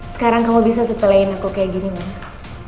sekarang kamu bisa supplyin aku kayak gini mas